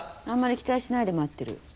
あんまり期待しないで待ってる。